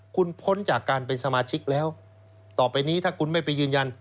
คุณพ้นจากการเป็นสมาชิกแล้วต่อไปนี้ถ้าคุณไม่ไปยืนยัน